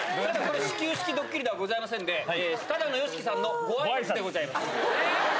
始球式ドッキリではございませんで、ただのＹＯＳＨＩＫＩさんのごあいさつでございます。